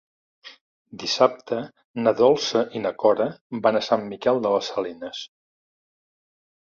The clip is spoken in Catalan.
Dissabte na Dolça i na Cora van a Sant Miquel de les Salines.